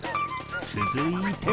続いては。